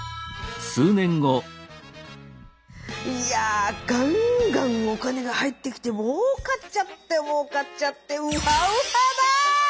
いやガンガンお金が入ってきてもうかっちゃってもうかっちゃってウハウハだ！